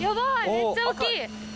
めっちゃ大きい。